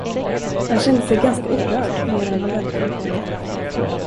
Han kände sig ganska upprörd, medan han väntade på henne.